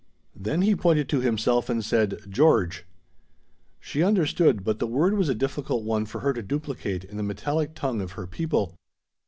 Then he pointed to himself and said, "George." She understood, but the word was a difficult one for her to duplicate in the metallic tongue of her people.